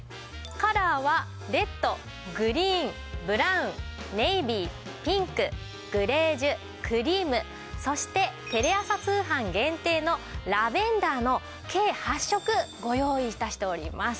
カラーはレッドグリーンブラウンネイビーピンクグレージュクリームそしてテレ朝通販限定のラベンダーの計８色ご用意致しております。